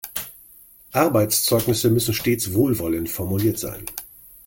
Arbeitszeugnisse müssen stets wohlwollend formuliert sein.